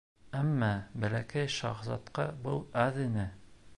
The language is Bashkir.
Әммә Бәләкәй шаһзатҡа был әҙ ине.